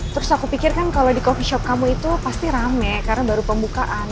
terus aku pikir kan kalau di coffee shop kamu itu pasti rame karena baru pembukaan